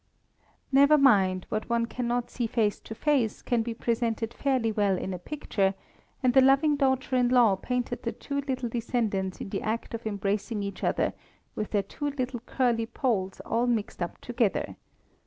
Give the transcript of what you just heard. Never mind, what one cannot see face to face can be presented fairly well in a picture; and the loving daughter in law painted the two little descendants in the act of embracing each other, with their two little curly polls all mixed up together.